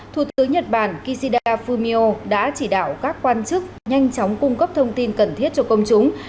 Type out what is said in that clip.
thủ tướng nhật bản kishida fumio đã chỉ đạo các quan chức nhanh chóng cung cấp thông tin cần thiết cho công chúng